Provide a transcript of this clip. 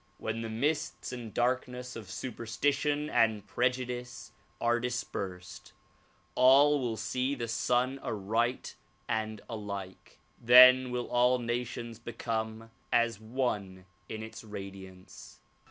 When the mists and darkness of superstition and preju dice are dispersed, all will see the Sun aright and alike. Then will all nations become as one in its radiance.